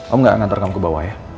kamu gak ngantar kamu ke bawah ya